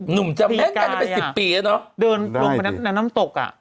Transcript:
หนุ่มจำแม่งกันเป็นสิบปีแล้วเนอะเดินลงไปในน้ำตกอ่ะ